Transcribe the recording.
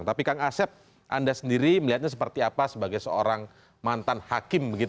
tapi kang asep anda sendiri melihatnya seperti apa sebagai seorang mantan hakim